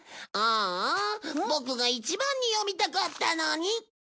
ああボクが一番に読みたかったのに。